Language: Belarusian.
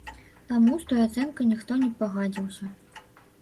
Таму з той ацэнкай ніхто не пагадзіўся.